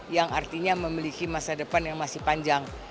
yang artinya memiliki masa depan yang masih panjang